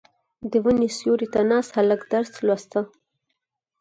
• د ونې سیوري ته ناست هلک درس لوسته.